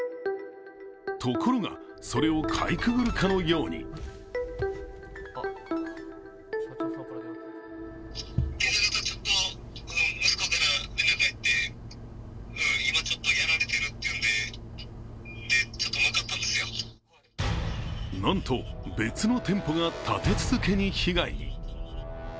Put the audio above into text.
ところが、それをかいくぐるかのようになんと別の店舗が立て続けに被害に。